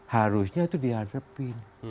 harusnya itu dihadapi